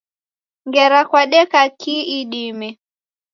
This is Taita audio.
Ngera kwadeka kihi idime?